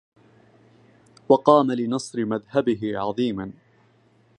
وقام لنصر مذهبه عظيما